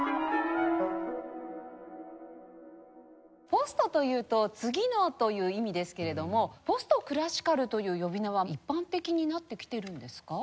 「ポスト」というと「次の」という意味ですけれども「ポストクラシカル」という呼び名は一般的になってきているんですか？